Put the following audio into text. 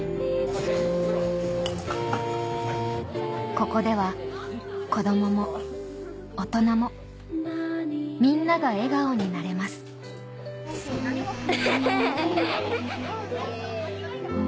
ここでは子供も大人もみんなが笑顔になれますエヘヘへ！